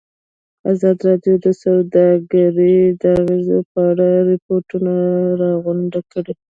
ازادي راډیو د سوداګري د اغېزو په اړه ریپوټونه راغونډ کړي.